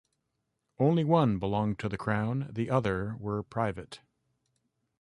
Only one belonged to the Crown, the other were private.